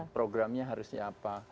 programnya harusnya apa